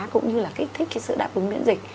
cũng như là kích thích cái sự đáp ứng miễn dịch